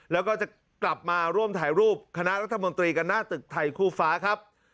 แล้วก็จะกลับมาร่วมถ่ายรูปคณะรัฐมนตรีกันหน้าตึกไทยคู่ฟ้าครับ